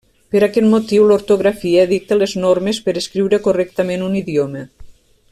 Per aquest motiu l'ortografia dicta les normes per escriure correctament un idioma.